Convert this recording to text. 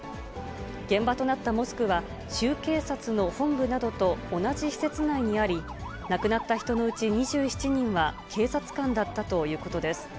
現場となったモスクは、州警察の本部などと同じ施設内にあり、亡くなった人のうち２７人は警察官だったということです。